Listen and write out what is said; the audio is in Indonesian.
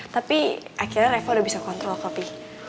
tapi akhirnya reva udah bisa kontrol kok pi